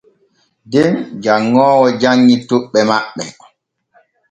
Den janŋoowo janŋi toɓɓe maɓɓe.